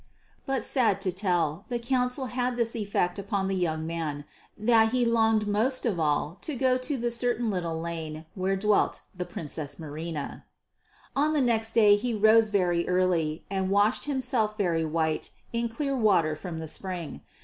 But, sad to tell, the counsel had this effect upon the young man, that he longed most of all to go to the certain little lane where dwelt the Princess Marina. On the next day he rose very early and washed himself very white in clear water from the spring.